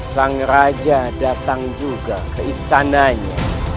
sang raja datang juga ke istananya